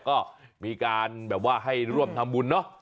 ก็มีการแบบว่าให้ร่วมทำบุญเนอะ